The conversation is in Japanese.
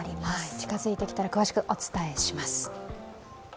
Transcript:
近づいてきたら詳しくお伝えします。